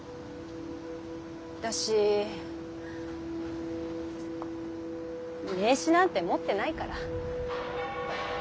私名刺なんて持ってないから。